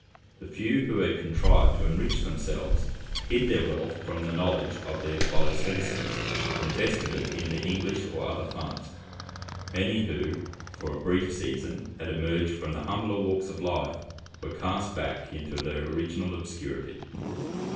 The few who had contrived to enrich themselves hid their wealth from the knowledge of their fellow citizens, and invested it in the English or other funds. Many who, for a brief season, had emerged from the humbler walks of life, were cast back into their original obscurity.